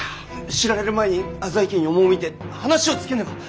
知られる前に浅井家に赴いて話をつけねば！